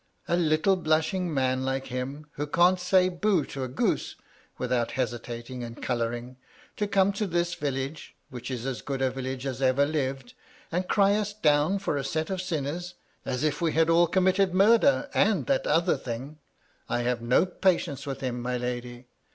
" A little blushing man like him, who can't say bo to a goose without hesitating and colouring, to come to this village — ^which is as good a village as ever lived — and cry us down for a set of sinners, as if we had all committed murder and that other thing !— I have no patience with him, my lady.